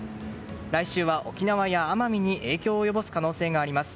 来週は沖縄や奄美に影響を及ぼす可能性があります。